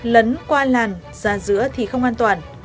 lấn qua làn ra giữa thì không an toàn